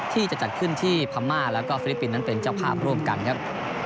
ที่จะจัดขึ้นที่พม่าแล้วก็ฟิลิปปินส์นั้นเป็นเจ้าภาพร่วมกันครับ